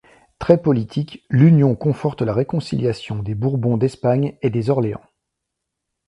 Très politique, l’union conforte la réconciliation des Bourbons d’Espagne et des Orléans.